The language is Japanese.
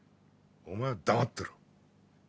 お前は黙ってろ。